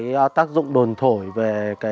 do tác dụng đồn thổi về